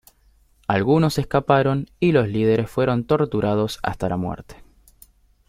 Algunos escaparon y los líderes fueron torturados hasta la muerte.